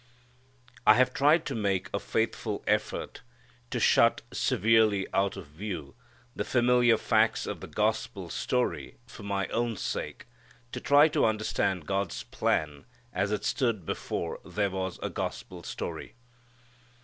I have tried to make a faithful effort to shut severely out of view the familiar facts of the gospel story for my own sake, to try to understand God's plan as it stood before there was a gospel story.